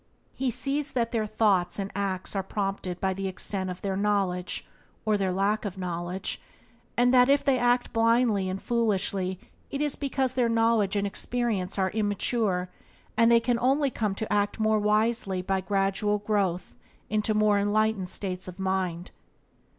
He sees that their thoughts and acts are prompted by the extent of their knowledge, or their lack of knowledge, and that if they act blindly and foolishly it is because their knowledge and experience are immature, and they can only come to act more wisely by gradual growth into more enlightened states of mind.